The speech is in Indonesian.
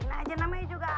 namanya juga abg